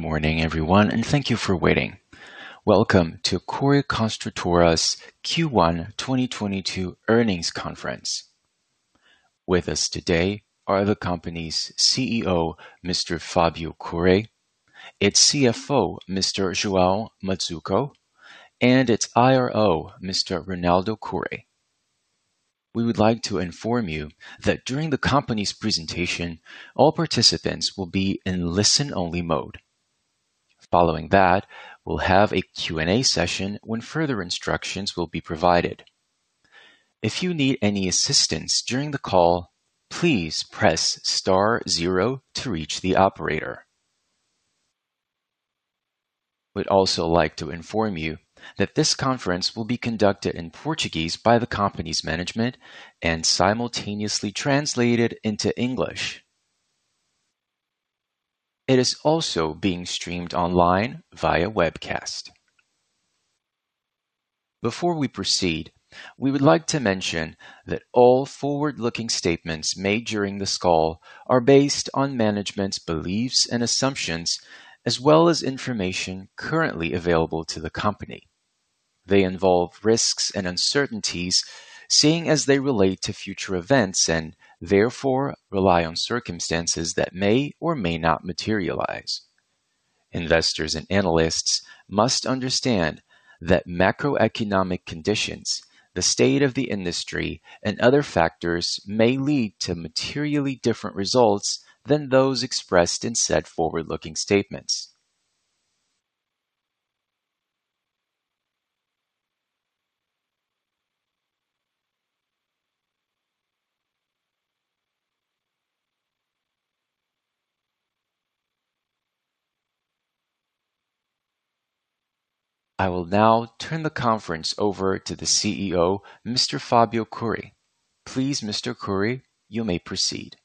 Good morning, everyone, and thank you for waiting. Welcome to Cury Construtora's Q1 2022 earnings conference. With us today are the company's CEO, Mr. Fábio Cury, its CFO, Mr. João Mazzuco, and its IRO, Mr. Ronaldo Cury. We would like to inform you that during the company's presentation, all participants will be in listen-only mode. Following that, we'll have a Q&A session when further instructions will be provided. If you need any assistance during the call, please press star zero to reach the operator. We'd also like to inform you that this conference will be conducted in Portuguese by the company's management and simultaneously translated into English. It is also being streamed online via webcast. Before we proceed, we would like to mention that all forward-looking statements made during this call are based on management's beliefs and assumptions, as well as information currently available to the company. They involve risks and uncertainties, seeing as they relate to future events and therefore rely on circumstances that may or may not materialize. Investors and analysts must understand that macroeconomic conditions, the state of the industry, and other factors may lead to materially different results than those expressed in said forward-looking statements. I will now turn the conference over to the CEO, Mr. Fábio Cury. Please, Mr. Cury, you may proceed.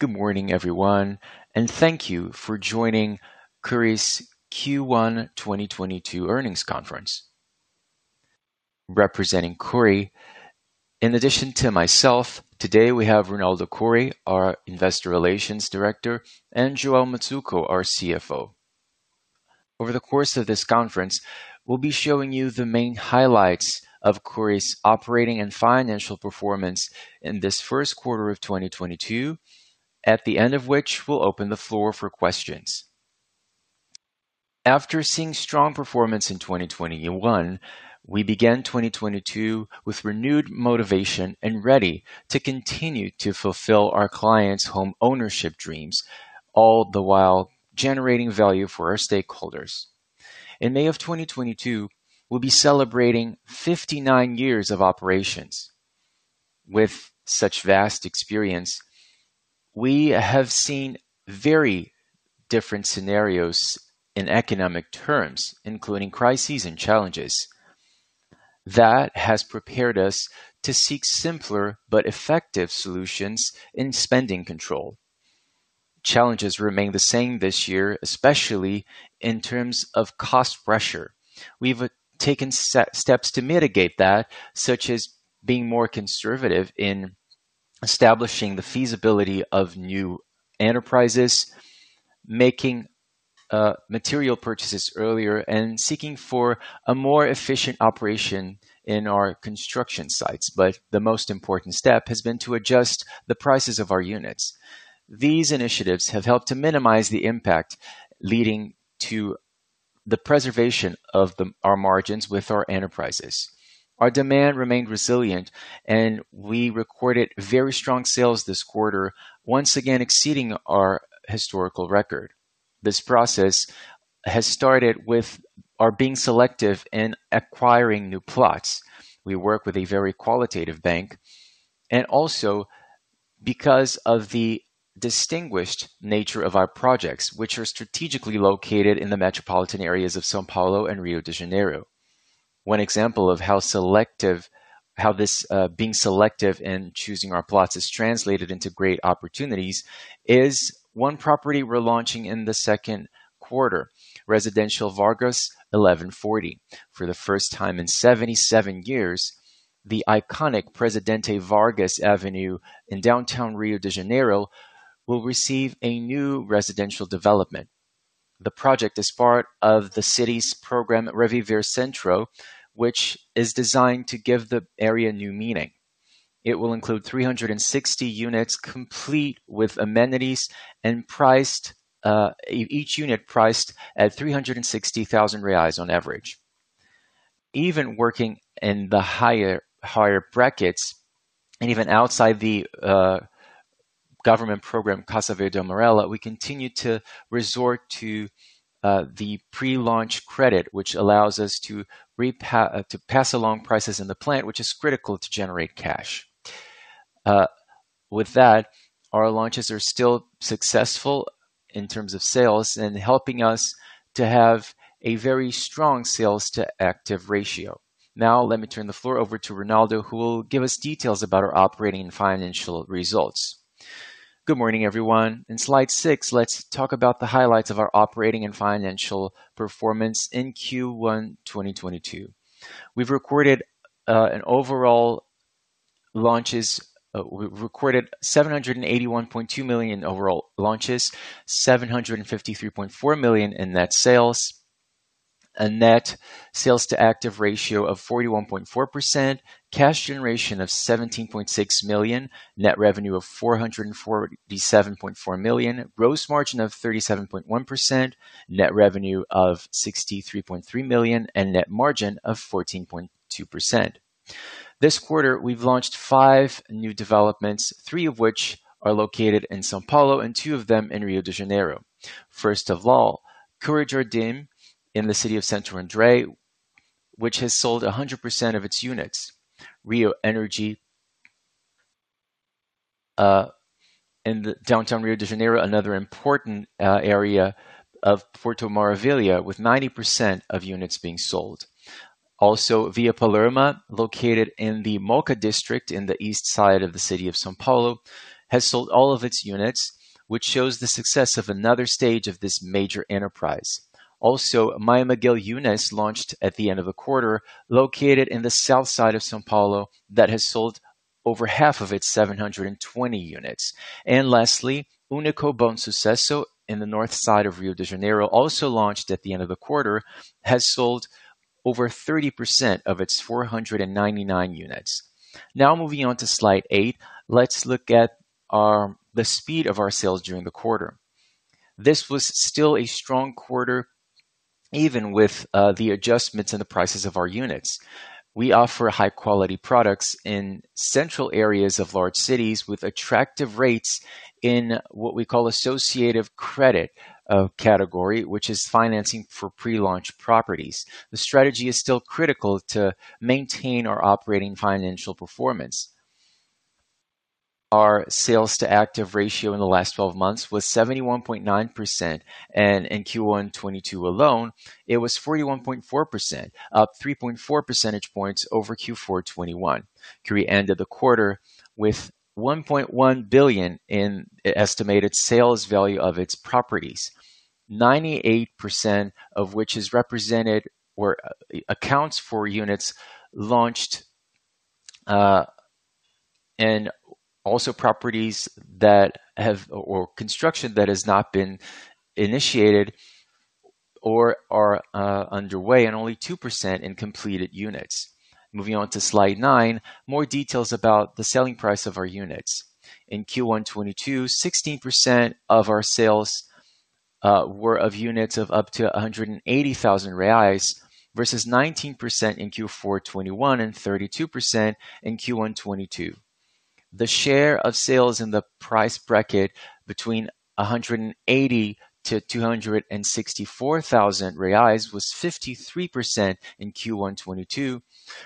Good morning, everyone, and thank you for joining Cury's Q1 2022 earnings conference. Representing Cury, in addition to myself, today we have Ronaldo Cury, our investor relations director, and João Mazzuco, our CFO. Over the course of this conference, we'll be showing you the main highlights of Cury's operating and financial performance in this first quarter of 2022, at the end of which we'll open the floor for questions. After seeing strong performance in 2021, we began 2022 with renewed motivation and ready to continue to fulfill our clients' home ownership dreams, all the while generating value for our stakeholders. In May of 2022, we'll be celebrating 59 years of operations. With such vast experience, we have seen very different scenarios in economic terms, including crises and challenges. That has prepared us to seek simpler but effective solutions in spending control. Challenges remain the same this year, especially in terms of cost pressure. We've taken steps to mitigate that, such as being more conservative in establishing the feasibility of new enterprises, making material purchases earlier, and seeking for a more efficient operation in our construction sites. The most important step has been to adjust the prices of our units. These initiatives have helped to minimize the impact leading to the preservation of our margins with our enterprises. Our demand remained resilient, and we recorded very strong sales this quarter, once again exceeding our historical record. This process has started with our being selective in acquiring new plots. We work with a very qualitative bank, and also because of the distinguished nature of our projects, which are strategically located in the metropolitan areas of São Paulo and Rio de Janeiro. One example of how this being selective in choosing our plots is translated into great opportunities is one property we're launching in the second quarter, Residencial Vargas 1140. For the first time in 77 years, the iconic Presidente Vargas Avenue in downtown Rio de Janeiro will receive a new residential development. The project is part of the city's program, Reviver Centro, which is designed to give the area new meaning. It will include 360 units complete with amenities and priced, each unit priced at 360,000 reais on average. Even working in the higher brackets and even outside the government program, Casa Verde e Amarela, we continue to resort to the pre-launch credit, which allows us to pass along prices in the plan, which is critical to generate cash. With that, our launches are still successful in terms of sales and helping us to have a very strong sales to active ratio. Now let me turn the floor over to Ronaldo, who will give us details about our operating and financial results. Good morning, everyone. In slide six, let's talk about the highlights of our operating and financial performance in Q1 2022. We've recorded 781.2 million in overall launches. 753.4 million in net sales. A net sales to active ratio of 41.4%. Cash generation of 17.6 million. Net revenue of 447.4 million. Gross margin of 37.1%. Net revenue of 63.3 million and net margin of 14.2%. This quarter, we've launched five new developments, three of which are located in São Paulo and two of them in Rio de Janeiro. First of all, Cury Jardim in the city of Santo André, which has sold 100% of its units. Rio Energy in downtown Rio de Janeiro, another important area of Porto Maravilha with 90% of units being sold. Via Palermo, located in the Mooca district in the east side of the city of São Paulo, has sold all of its units, which shows the success of another stage of this major enterprise. My Miguel Yunes launched at the end of the quarter, located in the south side of São Paulo that has sold over half of its 720 units. Lastly, Único Bonsucesso in the north side of Rio de Janeiro, also launched at the end of the quarter, has sold over 30% of its 499 units. Now moving on to slide eight, let's look at the speed of our sales during the quarter. This was still a strong quarter, even with the adjustments in the prices of our units. We offer high quality products in central areas of large cities with attractive rates in what we call crédito associativo category, which is financing for pre-launch properties. The strategy is still critical to maintain our operating financial performance. Our VSO in the last twelve months was 71.9%, and in Q1 2022 alone, it was 41.4%, up 3.4 percentage points over Q4 2021. We ended the quarter with 1.1 billion in estimated sales value of its properties. 98% of which is represented or accounts for units launched and also properties that have not been initiated or are underway and only 2% in completed units. Moving on to slide nine, more details about the selling price of our units. In Q1 2022, 16% of our sales were of units of up to 180,000 reais, versus 19% in Q4 2021 and 32% in Q1 2022. The share of sales in the price bracket between 180,000-264,000 reais was 53% in Q1 2022,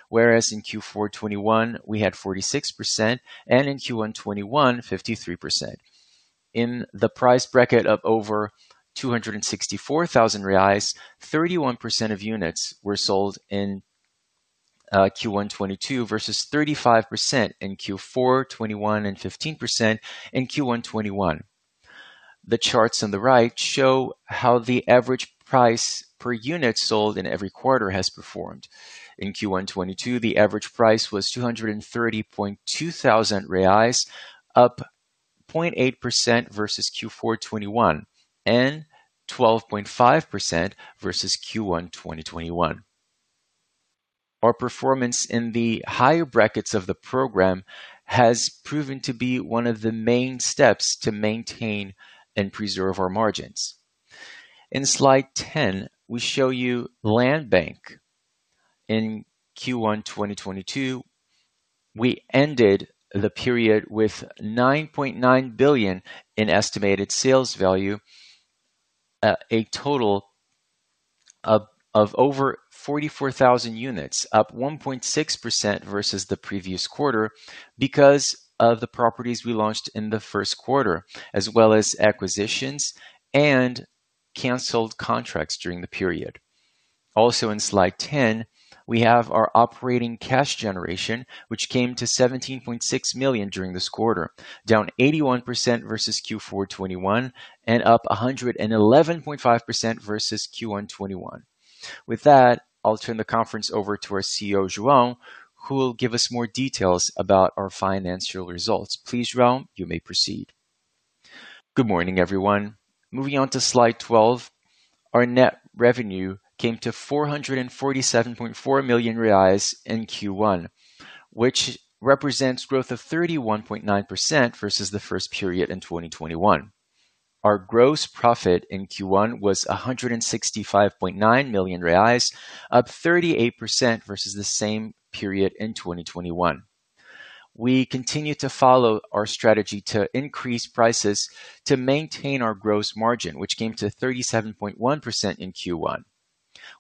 whereas in Q4 2021, we had 46%, and in Q1 2021, 53%. In the price bracket of over 264,000 reais, 31% of units were sold in Q1 2022 versus 35% in Q4 2021 and 15% in Q1 2021. The charts on the right show how the average price per unit sold in every quarter has performed. In Q1 2022, the average price was 230.2 thousand reais, up 0.8% versus Q4 2021, and 12.5% versus Q1 2021. Our performance in the higher brackets of the program has proven to be one of the main steps to maintain and preserve our margins. In slide 10, we show you land bank. In Q1 2022, we ended the period with 9.9 billion in estimated sales value, a total of over 44,000 units, up 1.6% versus the previous quarter because of the properties we launched in the first quarter, as well as acquisitions and canceled contracts during the period. In slide 10, we have our operating cash generation, which came to 17.6 million during this quarter, down 81% versus Q4 2021 and up 111.5% versus Q1 2021. With that, I'll turn the conference over to our CEO, João, who will give us more details about our financial results. Please, João, you may proceed. Good morning, everyone. Moving on to slide 12. Our net revenue came to 447.4 million reais in Q1, which represents growth of 31.9% versus the first period in 2021. Our gross profit in Q1 was 165.9 million reais, up 38% versus the same period in 2021. We continue to follow our strategy to increase prices to maintain our gross margin, which came to 37.1% in Q1.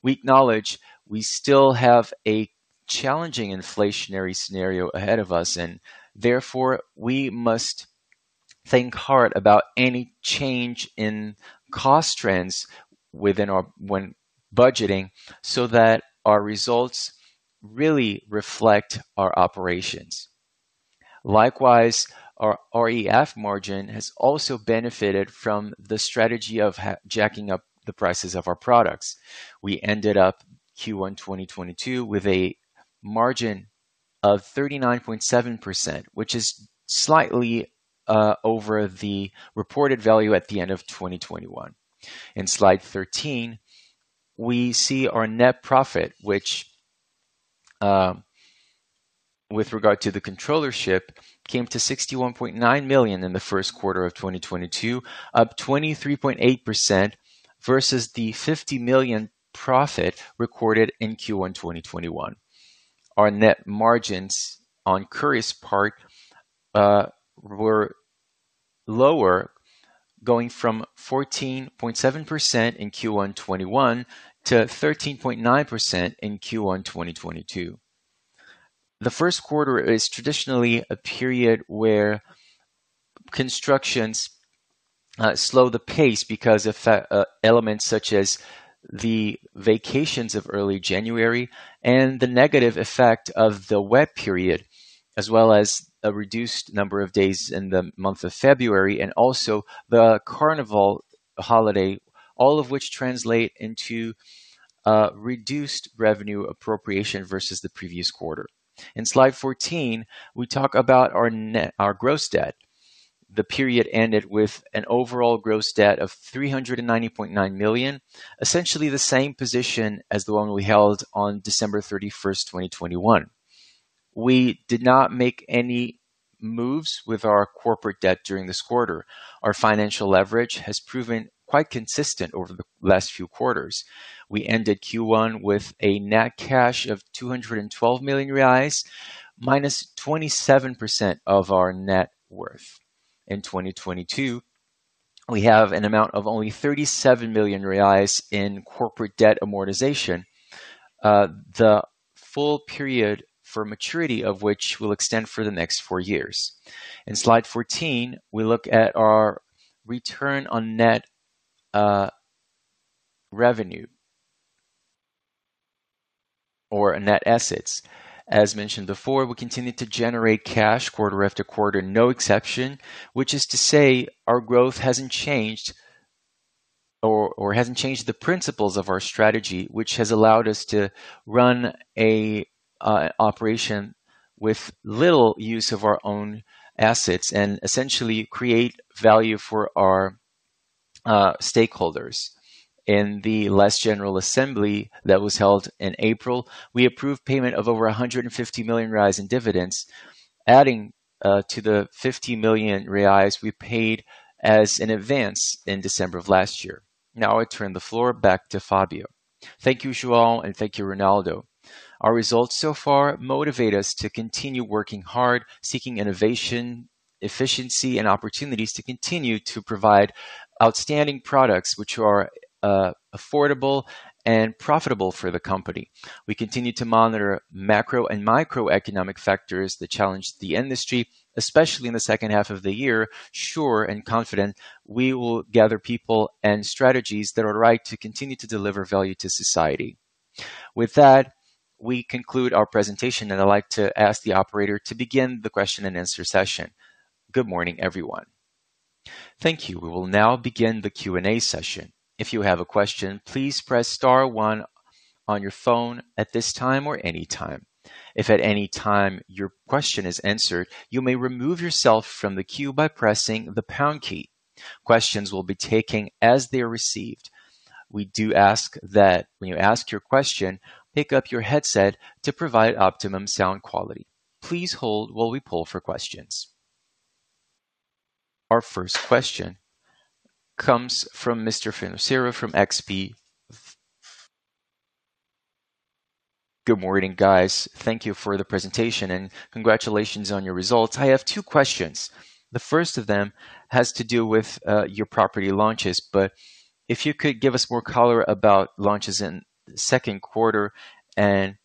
We acknowledge we still have a challenging inflationary scenario ahead of us, and therefore, we must think hard about any change in cost trends when budgeting, so that our results really reflect our operations. Likewise, our REF margin has also benefited from the strategy of jack up the prices of our products. We ended up Q1 2022 with a margin of 39.7%, which is slightly over the reported value at the end of 2021. In slide 13, we see our net profit, which, with regard to the controllership, came to 61.9 million in the first quarter of 2022, up 23.8% versus the 50 million profit recorded in Q1 2021. Our net margins on Cury's part were lower, going from 14.7% in Q1 2021 to 13.9% in Q1 2022. The first quarter is traditionally a period where constructions slow the pace because of elements such as the vacations of early January and the negative effect of the wet period, as well as a reduced number of days in the month of February and also the carnival holiday. All of which translate into reduced revenue appropriation versus the previous quarter. In slide 14, we talk about our gross debt. The period ended with an overall gross debt of 390.9 million, essentially the same position as the one we held on December 31, 2021. We did not make any moves with our corporate debt during this quarter. Our financial leverage has proven quite consistent over the last few quarters. We ended Q1 with a net cash of 212 million reais, minus 27% of our net worth. In 2022, we have an amount of only 37 million reais in corporate debt amortization. The full period for maturity of which will extend for the next four years. In slide 14, we look at our return on net revenue or net assets. As mentioned before, we continue to generate cash quarter after quarter, no exception. Which is to say our growth hasn't changed or hasn't changed the principles of our strategy, which has allowed us to run a operation with little use of our own assets and essentially create value for our stakeholders. In the last general assembly that was held in April, we approved payment of over 150 million reais in dividends, adding to the 50 million reais we paid as an advance in December of last year. Now I turn the floor back to Fábio. Thank you, João, and thank you, Ronaldo. Our results so far motivate us to continue working hard, seeking innovation, efficiency, and opportunities to continue to provide outstanding products which are affordable and profitable for the company. We continue to monitor macro and microeconomic factors that challenge the industry, especially in the second half of the year. Sure and confident we will gather people and strategies that are right to continue to deliver value to society. With that, we conclude our presentation, and I'd like to ask the operator to begin the question-and-answer session. Good morning, everyone. Thank you. We will now begin the Q&A session. If you have a question, please press star one on your phone at this time or any time. If at any time your question is answered, you may remove yourself from the queue by pressing the pound key. Questions will be taken as they are received. We do ask that when you ask your question, pick up your headset to provide optimum sound quality. Please hold while we poll for questions. Our first question comes from Mr. Finochiaro from XP. Good morning, guys. Thank you for the presentation, and congratulations on your results. I have two questions. The first of them has to do with your property launches. If you could give us more color about launches in the second quarter, and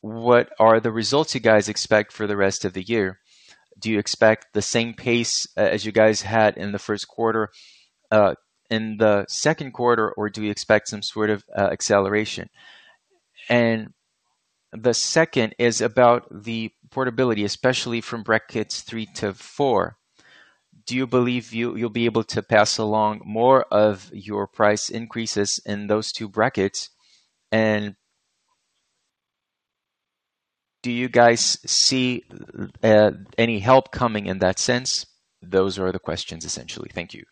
what are the results you guys expect for the rest of the year? Do you expect the same pace as you guys had in the first quarter in the second quarter, or do you expect some sort of acceleration? And the second is about the portability, especially from brackets three to four. Do you believe you will be able to pass along more of your price increases in those two brackets? And do you guys see any help coming in that sense? Those are the questions, essentially. Thank you.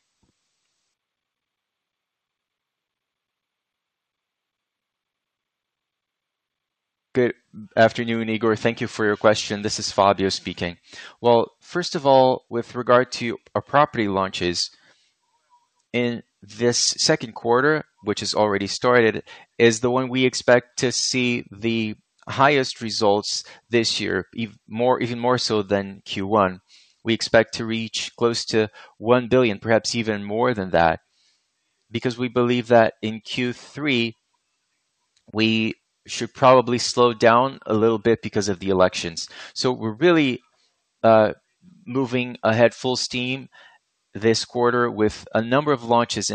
Good afternoon, Igor. Thank you for your question. This is Fábio speaking. Well, first of all, with regard to our property launches, in this second quarter, which has already started, is the one we expect to see the highest results this year, even more so than Q1. We expect to reach close to 1 billion, perhaps even more than that, because we believe that in Q3, we should probably slow down a little bit because of the elections. We're really moving ahead full steam this quarter with a number of launches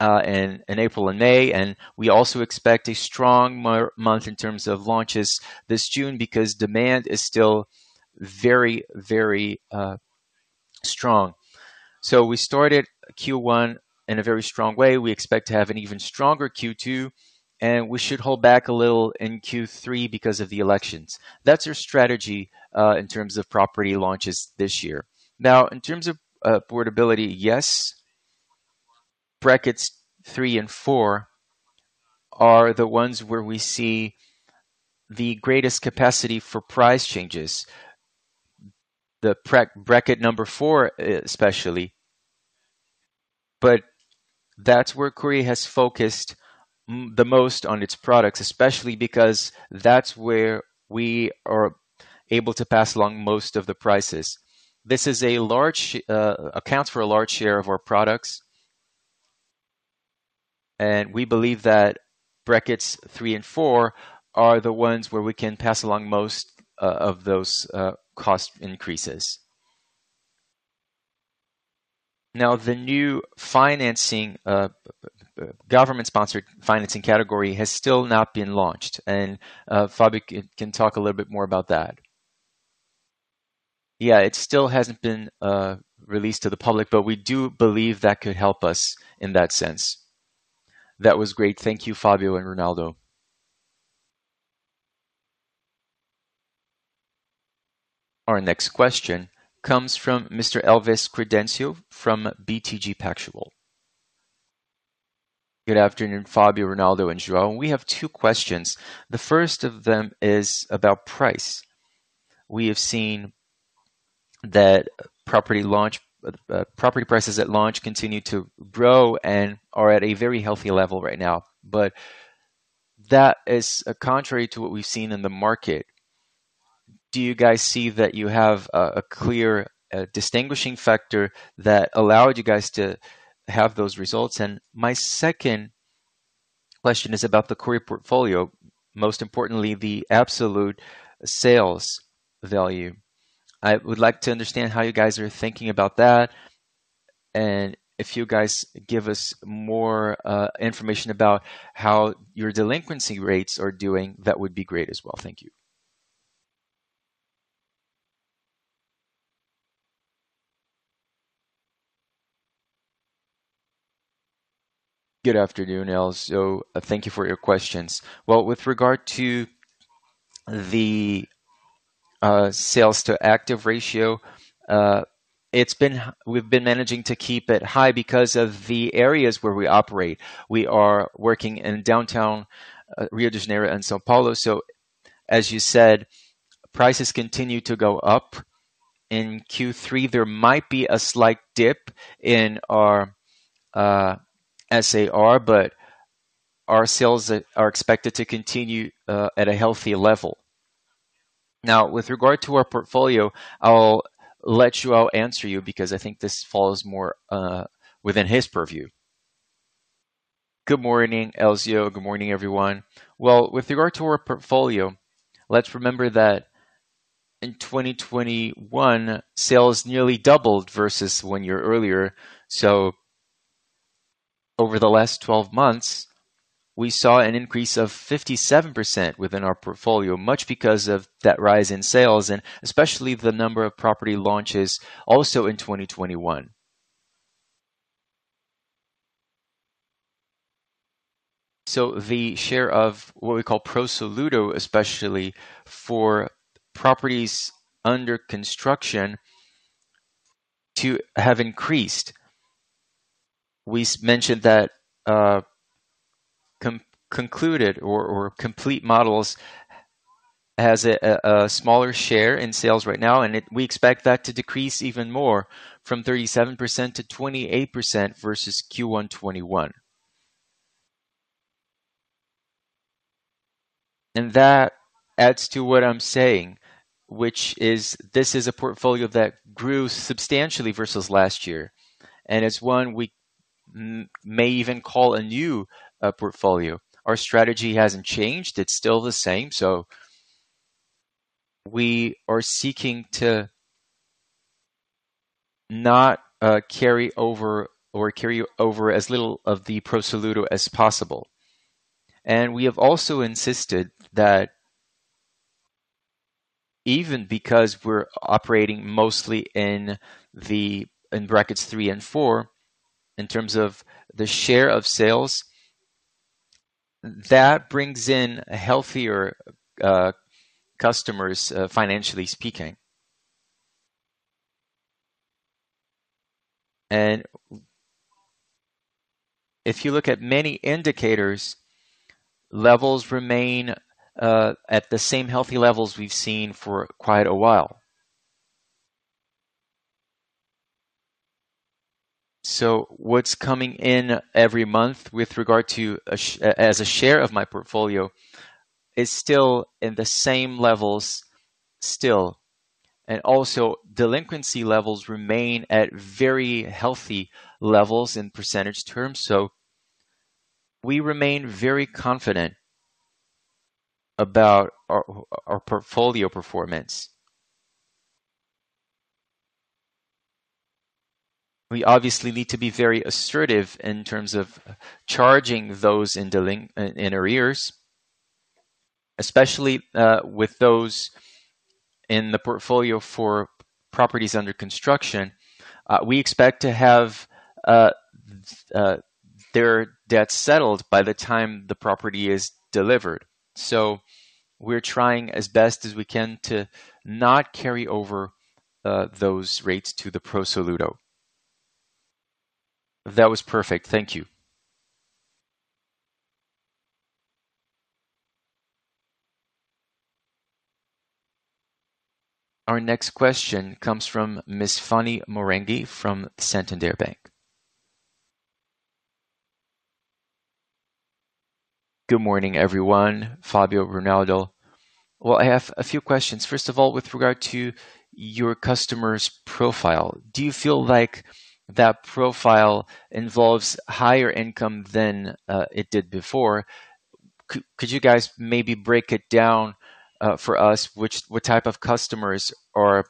in April and May, and we also expect a strong month in terms of launches this June because demand is still very strong. We started Q1 in a very strong way. We expect to have an even stronger Q2, and we should hold back a little in Q3 because of the elections. That's our strategy in terms of property launches this year. Now, in terms of affordability, yes, brackets three and four are the ones where we see the greatest capacity for price changes. The price bracket number four especially, but that's where Cury has focused the most on its products, especially because that's where we are able to pass along most of the prices. Accounts for a large share of our products. We believe that brackets three and four are the ones where we can pass along most of those cost increases. Now, the new financing government-sponsored financing category has still not been launched, and Fábio can talk a little bit more about that. Yeah, it still hasn't been released to the public, but we do believe that could help us in that sense. That was great. Thank you, Fábio and Ronaldo. Our next question comes from Mr. Elvis Credendio from BTG Pactual. Good afternoon, Fábio, Ronaldo, and João. We have two questions. The first of them is about price. We have seen that property prices at launch continue to grow and are at a very healthy level right now, but that is contrary to what we've seen in the market. Do you guys see that you have a clear distinguishing factor that allowed you guys to have those results? And my second question is about the Cury portfolio, most importantly, the absolute sales value. I would like to understand how you guys are thinking about that, and if you guys give us more information about how your delinquency rates are doing, that would be great as well. Thank you. Good afternoon, Elvis Credendio. Thank you for your questions. Well, with regard to the sales to active ratio, we've been managing to keep it high because of the areas where we operate. We are working in downtown Rio de Janeiro and São Paulo. As you said, prices continue to go up. In Q3, there might be a slight dip in our SAR, but our sales are expected to continue at a healthy level. Now, with regard to our portfolio, I'll let João answer you because I think this falls more within his purview. Good morning, Elvis. Good morning, everyone. Well, with regard to our portfolio, let's remember that in 2021, sales nearly doubled versus one year earlier. Over the last twelve months, we saw an increase of 57% within our portfolio, much because of that rise in sales and especially the number of property launches also in 2021. The share of what we call pro soluto, especially for properties under construction, have increased. We mentioned that complete models have a smaller share in sales right now, and we expect that to decrease even more from 37% to 28% versus Q1 2021. That adds to what I'm saying, which is this is a portfolio that grew substantially versus last year, and it's one we may even call a new portfolio. Our strategy hasn't changed. It's still the same. We are seeking to not carry over or carry over as little of the pro soluto as possible. We have also insisted that even because we're operating mostly in brackets three and four, in terms of the share of sales, that brings in healthier customers, financially speaking. If you look at many indicators, levels remain at the same healthy levels we've seen for quite a while. What's coming in every month with regard to as a share of my portfolio is still in the same levels, and also delinquency levels remain at very healthy levels in percentage terms. We remain very confident about our portfolio performance. We obviously need to be very assertive in terms of charging those in arrears, especially with those in the portfolio for properties under construction. We expect to have their debt settled by the time the property is delivered. We're trying as best as we can to not carry over those rates to the pro soluto. That was perfect. Thank you. Our next question comes from Ms. Fanny Oreng from Santander. Good morning, everyone. Fábio, Ronaldo. Well, I have a few questions. First of all, with regard to your customer's profile, do you feel like that profile involves higher income than it did before? Could you guys maybe break it down for us? Which type of customers are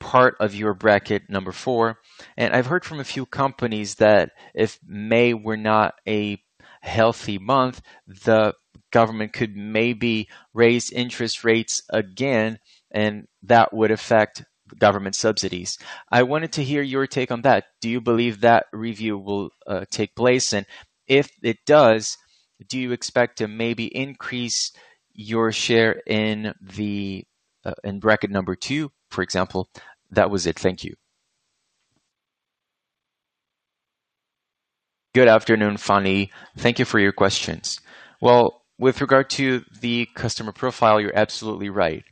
part of your bracket number four? I've heard from a few companies that if May were not a healthy month, the government could maybe raise interest rates again, and that would affect government subsidies. I wanted to hear your take on that. Do you believe that review will take place? And if it does, do you expect to maybe increase your share in the bracket number two, for example? That was it. Thank you. Good afternoon, Fani. Thank you for your questions. Well, with regard to the customer profile, you're absolutely right.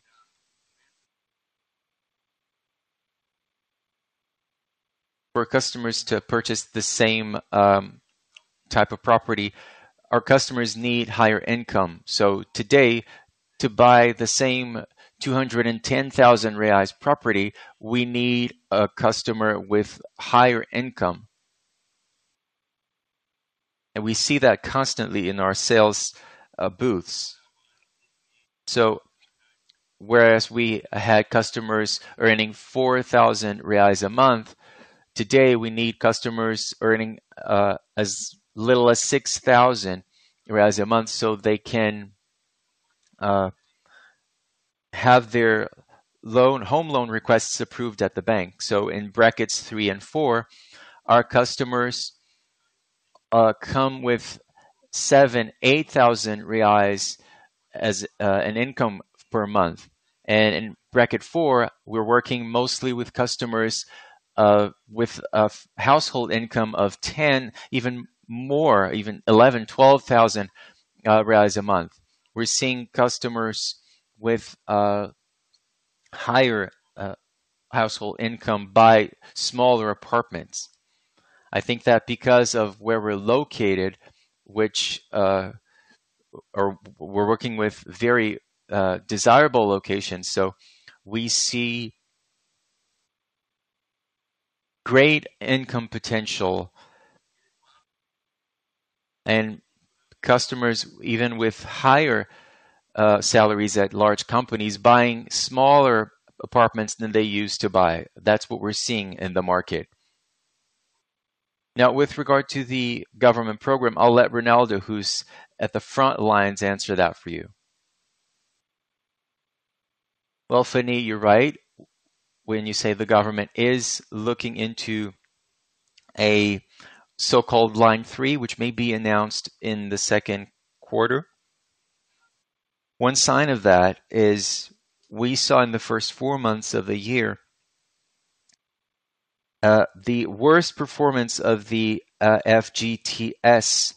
For customers to purchase the same type of property, our customers need higher income. Today, to buy the same 210 thousand reais property, we need a customer with higher income. We see that constantly in our sales booths. Whereas we had customers earning 4 thousand reais a month, today, we need customers earning as little as 6 thousand reais a month so they can have their home loan requests approved at the bank. In brackets three and four, our customers come with 7-8 thousand reais as an income per month. In bracket four, we're working mostly with customers with a household income of 10 thousand, even more, even 11 thousand reais, 12 thousand reais a month. We're seeing customers with higher household income buy smaller apartments. I think that because of where we're located, which we're working with very desirable locations, so we see great income potential. Customers, even with higher salaries at large companies, buying smaller apartments than they used to buy. That's what we're seeing in the market. Now, with regard to the government program, I'll let Ronaldo, who's at the front lines, answer that for you. Well, Fanny, you're right when you say the government is looking into a so-called line three, which may be announced in the second quarter. One sign of that is we saw in the first four months of the year, the worst performance of the FGTS,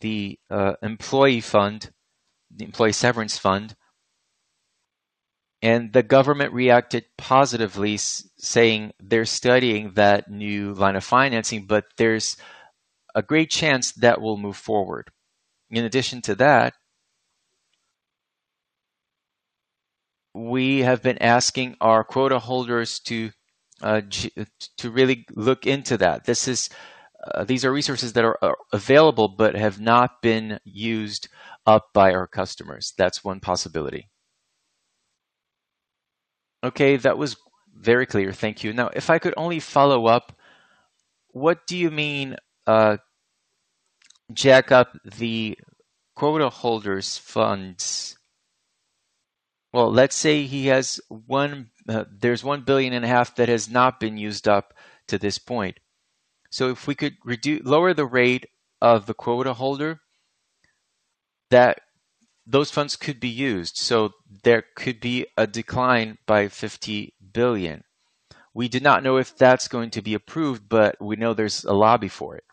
the employee severance fund, and the government reacted positively saying they're studying that new line of financing, but there's a great chance that will move forward. In addition to that, we have been asking our quota holders to really look into that. These are resources that are available but have not been used up by our customers. That's one possibility. Okay. That was very clear. Thank you. Now, if I could only follow up, what do you mean, jack up the quota holders funds? Well, let's say there's 1.5 billion that has not been used up to this point. So if we could lower the rate of the quota holder, that those funds could be used. So there could be a decline by 50 billion. We do not know if that's going to be approved, but we know there's a lobby for it.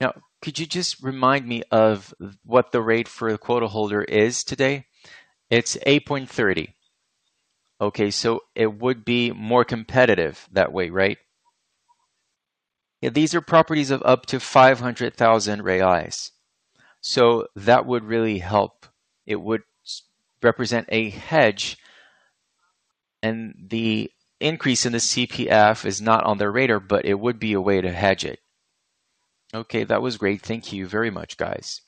Now, could you just remind me of what the rate for a quota holder is today? It's 8:30. Okay. So it would be more competitive that way, right? Yeah. These are properties of up to 500,000 reais. So that would really help. It would represent a hedge, and the increase in the CPF is not on their radar, but it would be a way to hedge it. Okay. That was great. Thank you very much, guys.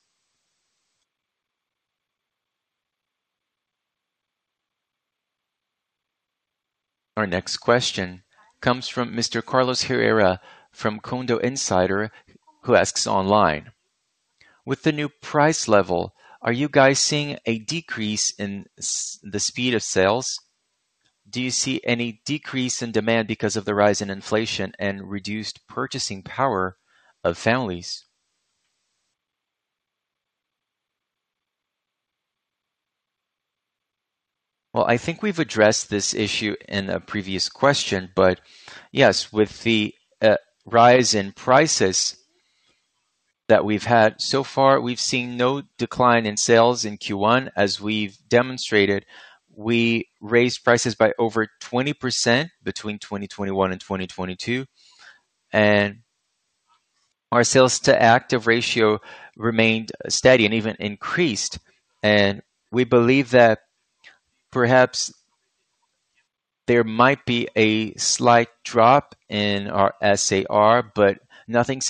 Our next question comes from Mr. Carlos Herrera from Condo Insider, who asks online: With the new price level, are you guys seeing a decrease in the speed of sales? Do you see any decrease in demand because of the rise in inflation and reduced purchasing power of families? Well, I think we've addressed this issue in a previous question, but yes, with the rise in prices that we've had so far, we've seen no decline in sales in Q1. As we've demonstrated, we raised prices by over 20% between 2021 and 2022, and our sales to active ratio remained steady and even increased. We believe that perhaps there might be a slight drop in our SAR, but nothing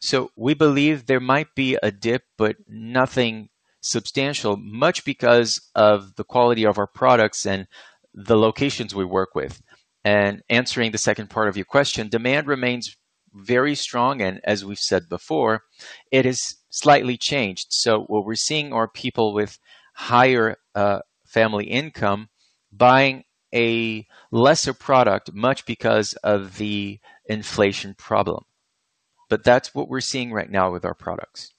substantial. We believe there might be a dip, but nothing substantial, much because of the quality of our products and the locations we work with. Answering the second part of your question, demand remains very strong, and as we've said before, it has slightly changed. What we're seeing are people with higher family income buying a lesser product, much because of the inflation problem. That's what we're seeing right now with our products.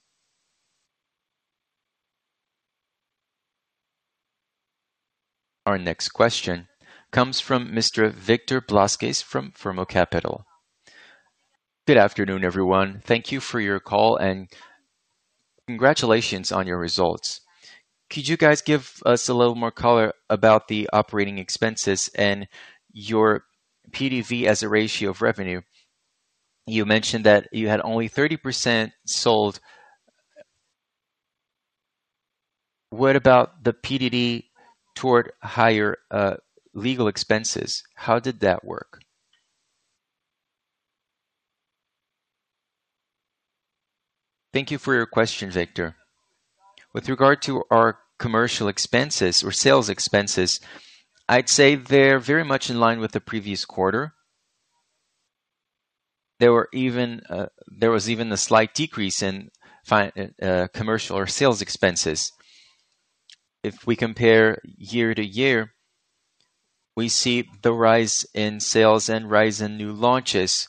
Our next question comes from Mr. Victor Blazquez from Firmo Capital. Good afternoon, everyone. Thank you for your call, and congratulations on your results. Could you guys give us a little more color about the operating expenses and your PDD as a ratio of revenue? You mentioned that you had only 30% sold. What about the PDD toward higher, legal expenses? How did that work? Thank you for your question, Victor. With regard to our commercial expenses or sales expenses, I'd say they're very much in line with the previous quarter. There was even a slight decrease in commercial or sales expenses. If we compare year-over-year, we see the rise in sales and rise in new launches.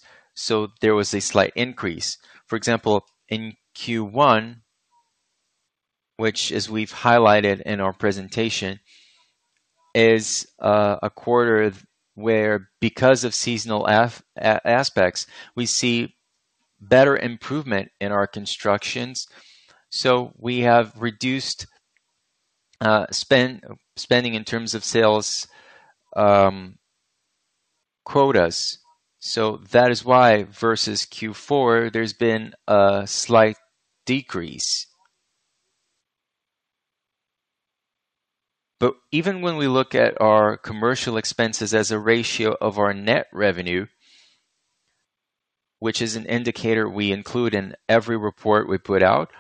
There was a slight increase. For example, in Q1, which as we've highlighted in our presentation, is a quarter where because of seasonal aspects, we see better improvement in our constructions. We have reduced spending in terms of sales quotas. That is why versus Q4, there's been a slight decrease. But even when we look at our commercial expenses as a ratio of our net revenue, which is an indicator we include in every report we put out,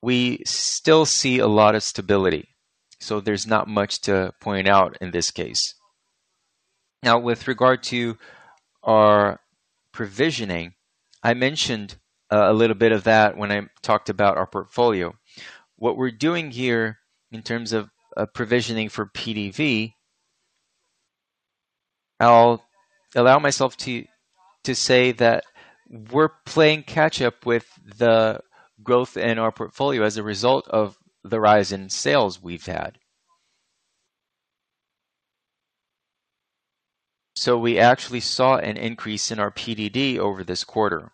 we still see a lot of stability. There's not much to point out in this case. Now, with regard to our provisioning, I mentioned a little bit of that when I talked about our portfolio. What we're doing here in terms of provisioning for PDD, I'll allow myself to say that we're playing catch up with the growth in our portfolio as a result of the rise in sales we've had. We actually saw an increase in our PDD over this quarter.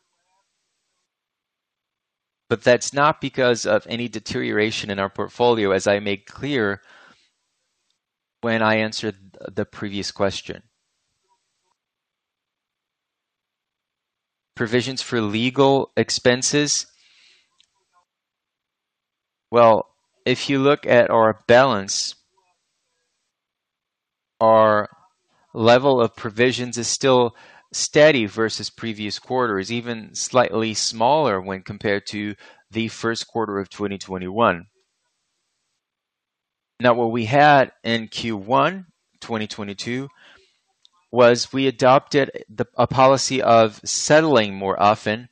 But that's not because of any deterioration in our portfolio, as I made clear when I answered the previous question. Provisions for legal expenses. Well, if you look at our balance, our level of provisions is still steady versus previous quarters, even slightly smaller when compared to the first quarter of 2021. Now, what we had in Q1 2022, was we adopted a policy of settling more often,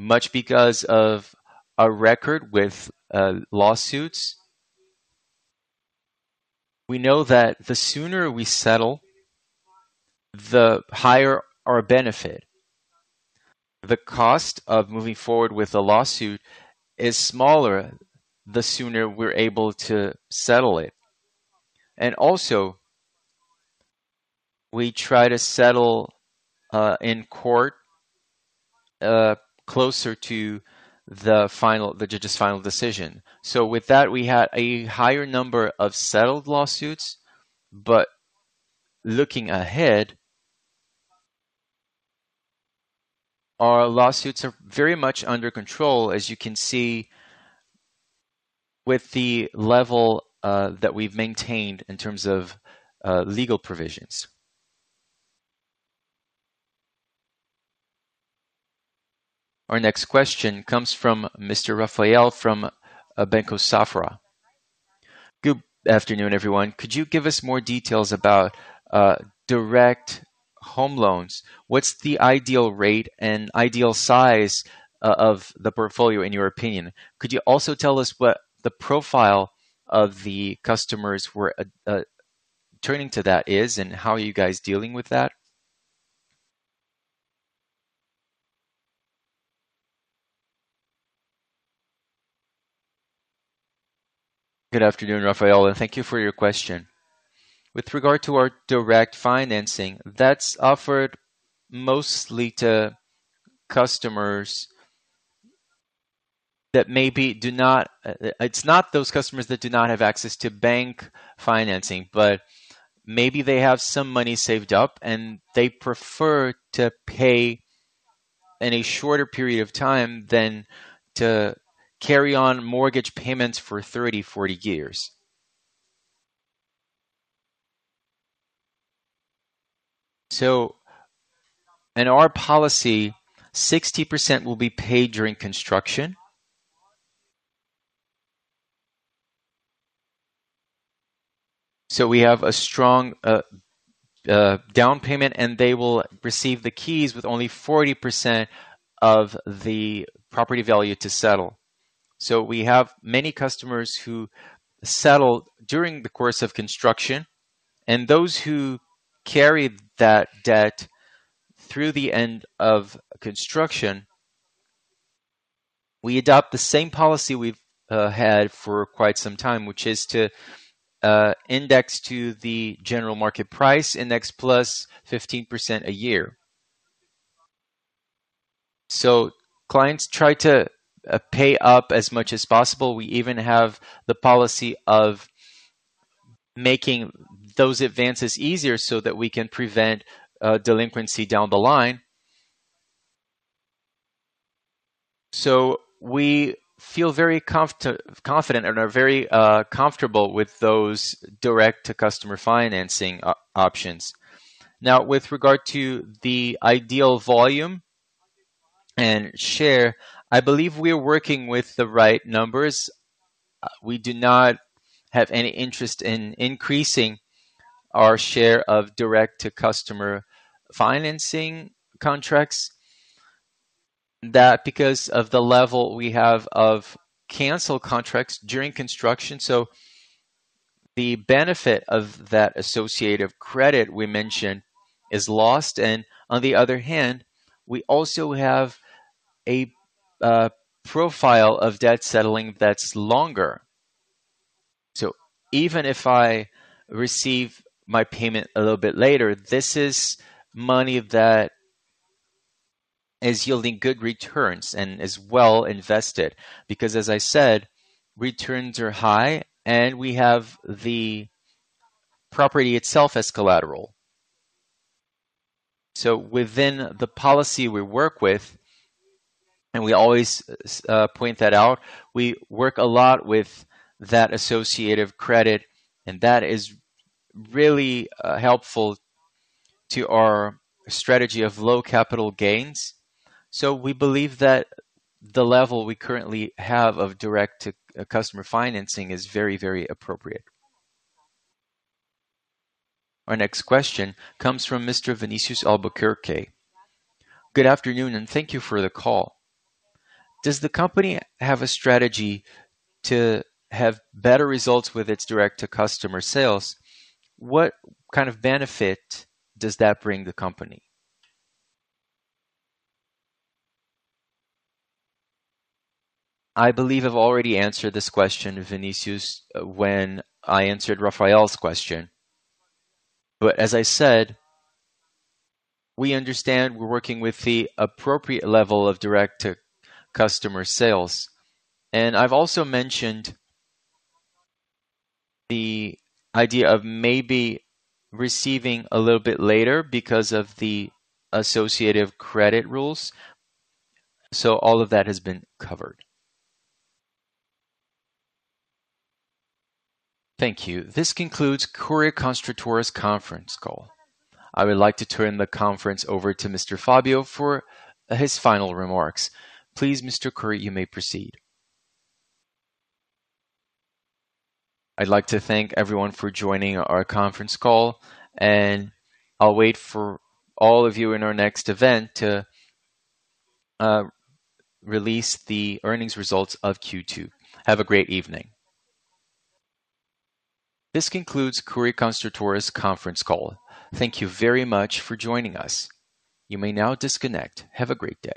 much because of our record with lawsuits. We know that the sooner we settle, the higher our benefit. The cost of moving forward with a lawsuit is smaller the sooner we're able to settle it. We try to settle in court closer to the judge's final decision. With that, we had a higher number of settled lawsuits. Looking ahead, our lawsuits are very much under control. As you can see, with the level that we've maintained in terms of legal provisions. Our next question comes from Mr. Raphael from Banco Safra. Good afternoon, everyone. Could you give us more details about direct home loans? What's the ideal rate and ideal size of the portfolio in your opinion? Could you also tell us what the profile of the customers we're turning to that is, and how are you guys dealing with that? Good afternoon, Raphael, and thank you for your question. With regard to our direct financing, that's offered mostly to customers. It's not those customers that do not have access to bank financing, but maybe they have some money saved up, and they prefer to pay in a shorter period of time than to carry on mortgage payments for 30, 40 years. In our policy, 60% will be paid during construction. We have a strong down payment, and they will receive the keys with only 40% of the property value to settle. We have many customers who settle during the course of construction, and those who carry that debt through the end of construction. We adopt the same policy we've had for quite some time, which is to index to the general market price index plus 15% a year. Clients try to pay up as much as possible. We even have the policy of making those advances easier so that we can prevent delinquency down the line. We feel very confident and are very comfortable with those direct-to-customer financing options. Now, with regard to the ideal volume and share, I believe we are working with the right numbers. We do not have any interest in increasing our share of direct-to-customer financing contracts. That's because of the level we have of canceled contracts during construction. The benefit of that associative credit we mentioned is lost. On the other hand, we also have a profile of debt settling that's longer. Even if I receive my payment a little bit later, this is money that is yielding good returns and is well invested because as I said, returns are high, and we have the property itself as collateral. Within the policy we work with, and we always point that out, we work a lot with that associative credit, and that is really helpful to our strategy of low capital gains. We believe that the level we currently have of direct-to-customer financing is very, very appropriate. Our next question comes from Mr. Vinícius Albuquerque. Good afternoon, and thank you for the call. Does the company have a strategy to have better results with its direct-to-customer sales? What kind of benefit does that bring the company? I believe I've already answered this question, Vinícius, when I answered Raphael's question. As I said, we understand we're working with the appropriate level of direct-to-customer sales. I've also mentioned the idea of maybe receiving a little bit later because of the associative credit rules. All of that has been covered. Thank you. This concludes Cury Construtora e Incorporadora's conference call. I would like to turn the conference over to Mr. Fábio for his final remarks. Please, Mr. Cury, you may proceed. I'd like to thank everyone for joining our conference call, and I'll wait for all of you in our next event to release the earnings results of Q2. Have a great evening. This concludes Cury Construtora e Incorporadora's conference call. Thank you very much for joining us. You may now disconnect. Have a great day.